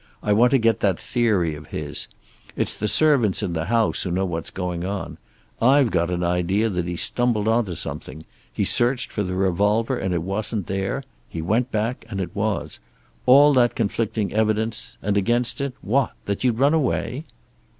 I want to get that theory of his. It's the servants in the house who know what is going on. I've got an idea that he'd stumbled onto something. He'd searched for the revolver, and it wasn't there. He went back and it was. All that conflicting evidence, and against it, what? That you'd run away!"